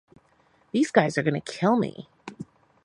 These guys are going to kill me.